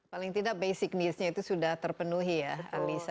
paling tidak basic newsnya itu sudah terpenuhi ya alisa